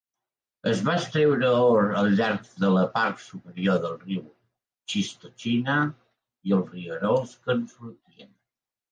Es va extreure or al llarg de la part superior del riu Chistochina i els rierols que en sortien.